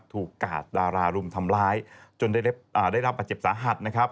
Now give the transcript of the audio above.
กาดดารารุมทำร้ายจนได้รับบาดเจ็บสาหัสนะครับ